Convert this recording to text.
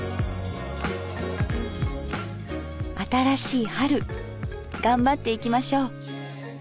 新しい春頑張っていきましょう。